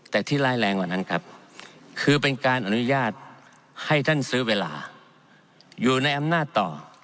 แต่ที่ร้ายแรงกว่านั้นครับคือเป็นการอนุญาตให้ท่านซื้อเวลาอยู่ในอำนาจต่อ